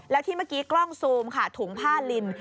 แล้วที่เมื่อกี้กล้องซูมค่ะถุงผ้าลิน